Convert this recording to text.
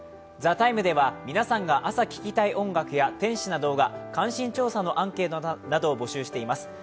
「ＴＨＥＴＩＭＥ，」では皆さんが朝聴きたい音楽や天使な動画関心調査などのアンケートを募集しています。